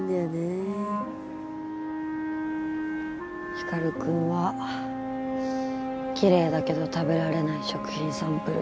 光くんはきれいだけど食べられない食品サンプルと同じか。